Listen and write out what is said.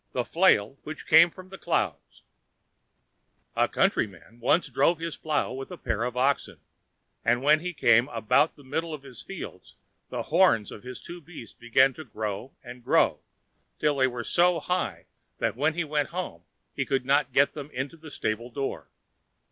The Flail which came from the Clouds A countryman once drove his plow with a pair of oxen, and when he came about the middle of his fields the horns of his two beasts began to grow, and grow, till they were so high that when he went home he could not get them into the stable door.